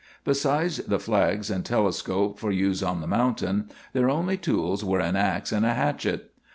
Besides the flags and telescope for use on the station, their only tools were an ax and a hatchet.